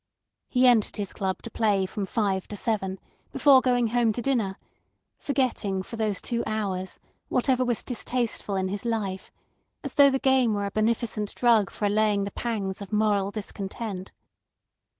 He entered his club to play from five to seven, before going home to dinner, forgetting for those two hours whatever was distasteful in his life, as though the game were a beneficent drug for allaying the pangs of moral discontent.